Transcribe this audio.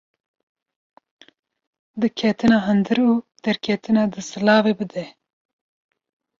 Di Ketina hundir û derketinê de silavê bide